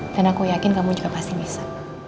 dan aku yakin kamu juga pasti bisa